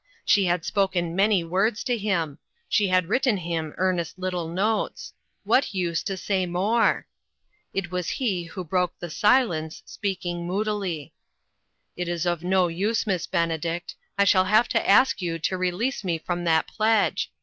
She had spoken many words to him ; she had written him earnest little notes; what use to say more? It was he who broke the silence, speaking moodily :" It is of no use, Miss Benedict ; I shall have to ask you to release me from that pledge.